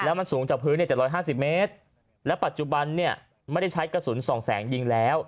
แล้วมันสูงจากพื้นเนี่ย๗๕๐เมตรและปัจจุบันเนี่ยไม่ได้ใช้กระสุนสองแสงยิงแล้ว